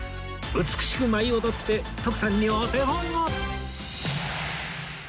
美しく舞い踊って徳さんにお手本を！